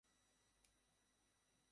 শিরক কি তাতো আমরা জানি।